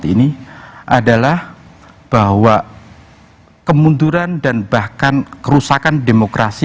dua ribu dua puluh empat ini adalah bahwa kemunduran dan bahkan kerusakan demokrasi